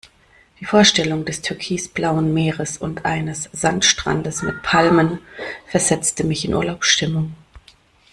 Die Vorstellung des türkisblauen Meeres und eines Sandstrandes mit Palmen versetzte mich in Urlaubsstimmung.